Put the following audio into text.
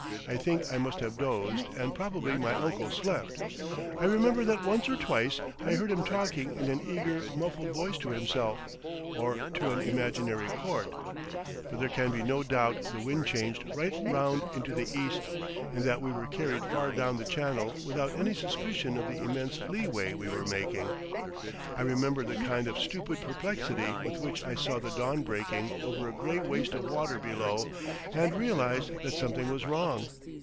I think I must have dozed, and probably my uncle slept. I remember that once or twice I heard him talking in an eager, muffled voice to himself, or to an imaginary court. But there can be no doubt the wind changed right round into the east, and that we were carried far down the Channel without any suspicion of the immense leeway we were making. I remember the kind of stupid perplexity with which I saw the dawn breaking over a grey waste of water, below, and realised that something was wrong.